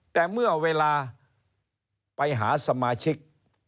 แต่เมื่อเวลาไปหาสมาชิก